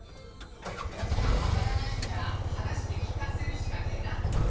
文字がわからないんじゃ話して聞かせるしかねえな。